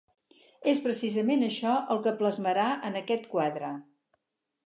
És precisament això el que plasmarà en aquest quadre.